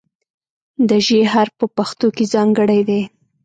د "ژ" حرف په پښتو کې ځانګړی دی.